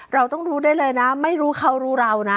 เราต้องรู้ได้เลยนะไม่รู้เขารู้เรานะ